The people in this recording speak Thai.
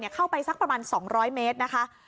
เข้าไปสักประมาณ๒๐๐เมตรนะคะ